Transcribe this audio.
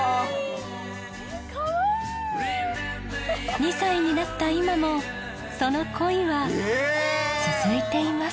２歳になった今もその恋は続いています